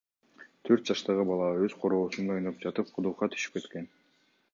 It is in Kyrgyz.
Төрт жаштагы бала өз короосунда ойноп жатып кудукка түшүп кеткен.